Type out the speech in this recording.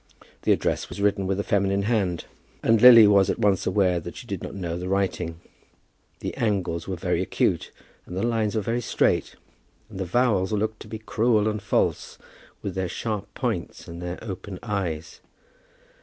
The address was written with a feminine hand, and Lily was at once aware that she did not know the writing. The angles were very acute, and the lines were very straight, and the vowels looked to be cruel and false, with their sharp points and their open eyes.